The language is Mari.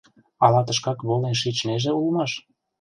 Ала тышкак волен шичнеже улмаш?